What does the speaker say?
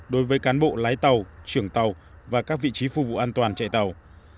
đối với cán bộ lái tàu trưởng tàu và các vị trí phục vụ an toàn chạy tàu